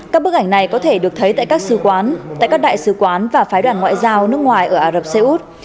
các bức ảnh này có thể được thấy tại các sư quán tại các đại sứ quán và phái đoàn ngoại giao nước ngoài ở ả rập xê út